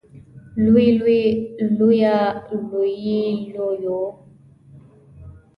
لوی لویې لويه لوې لويو